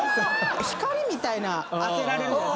光みたいな当てられる。